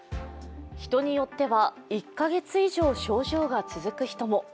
人によっては１カ月以上症状が続くことも。